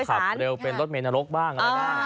บางทีก็ขับเร็วเป็นรถเมย์นรกบ้าง